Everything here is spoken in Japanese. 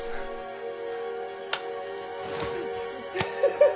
フフフ。